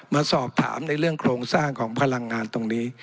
มาสอบถามในเรื่องโครงสร้างของพลังงานตรงนี้